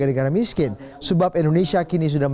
ada yang ngomong indonesia punah